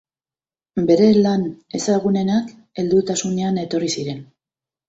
Bere lan ezagunenak heldutasunean etorri ziren.